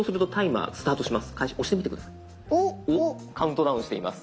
カウントダウンしています。